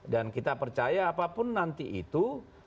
dan kita percaya apapun nanti itu